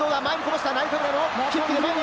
前にこぼした！